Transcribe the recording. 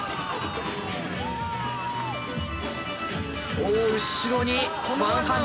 お後ろにワンハンド。